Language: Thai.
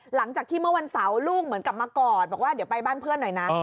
หลังจากที่เมื่อวันเสาร์ลูกเหมือนกลับมากอดบอกว่าเดี๋ยวไปบ้านเพื่อนหน่อยนะ